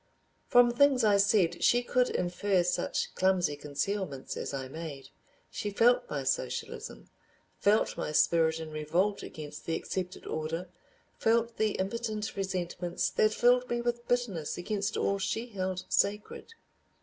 From things I said she could infer such clumsy concealments as I made. She felt my socialism, felt my spirit in revolt against the accepted order, felt the impotent resentments that filled me with bitterness against all she held sacred.